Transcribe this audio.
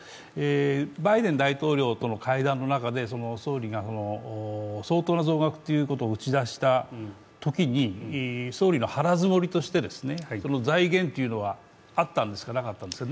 バイデン大統領との会談の中で総理が相当な増額っていうことを打ち出したときに総理の腹づもりとして、財源というのはあったんですか、なかったんですか。